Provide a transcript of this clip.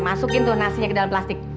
masukin tuh nasinya ke dalam plastik